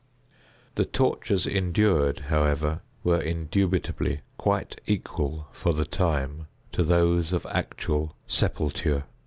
The tortures endured, however, were indubitably quite equal for the time, to those of actual sepulture.